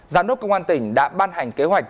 giám đốc công an tỉnh đã ban hành kế hoạch